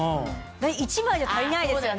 １枚じゃ足りないですよね。